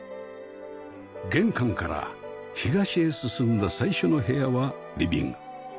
玄関から東へ進んだ最初の部屋はリビング